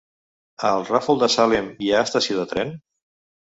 A el Ràfol de Salem hi ha estació de tren?